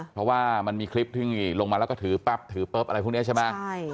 เพราะว่ามันมีคลิปที่ลงมาแล้วก็ถือปั๊บถือปุ๊บอะไรพวกนี้ใช่ไหม